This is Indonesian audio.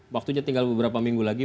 waktunya tinggal beberapa minggu lagi